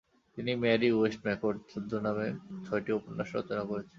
তিনি Mary Westmacott ছদ্মনামে ছয়টি উপন্যাস রচনা করেছেন।